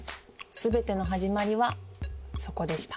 すべての始まりはそこでした